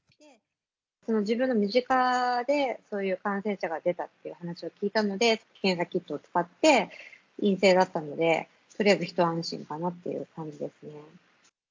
自分の身近で、そういう感染者が出たっていう話を聞いたので、検査キットを使って、陰性だったので、とりあえず一安心かなっていう感じですね。